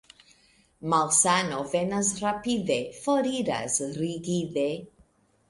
Malsano venas rapide, foriras rigide.